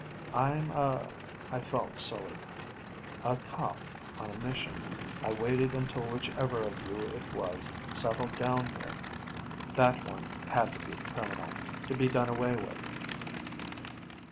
"I'm a" I felt silly "a cop on a mission. I waited until whichever of you it was settled down here. That one had to be the criminal, to be done away with."